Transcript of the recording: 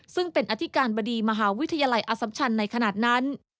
ซึ่งเป็นอธิการบดีมหาวิทยาลัยอสัมชันในขณะนั้น